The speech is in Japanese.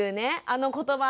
あの言葉。